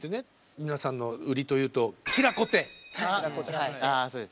皆さんの売りというとああそうです。